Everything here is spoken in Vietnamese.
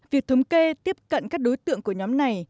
việc thống kê tiếp cận các đối tượng của nhóm này